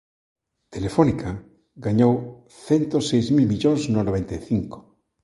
Telefónica gañou cento seis mil millóns no noventa e cinco.